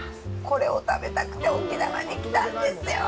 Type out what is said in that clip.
これを食べたくて沖縄に来たんですよ。